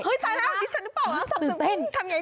เฮ้ยตายแล้วนี่ฉันหรือเปล่าทำยังไงดีฮะตื่นเต้น